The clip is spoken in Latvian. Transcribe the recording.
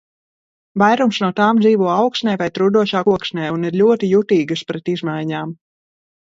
Vairums no tām dzīvo augsnē vai trūdošā koksnē un ir ļoti jutīgas pret izmaiņām.